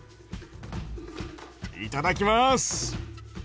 いただきます！